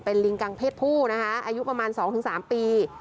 เป็นลิงกังเพศผู้นะคะอายุประมาณสองถึงสามปี